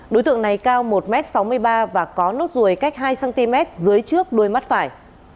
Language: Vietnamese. đối tượng này cao một m sáu mươi ba và có nốt ruồi cách hai cm dưới trước đuôi mắt phải